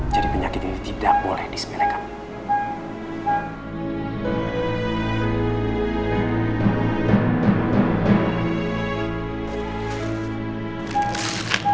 jadi penyakit ini tidak boleh disebelah kami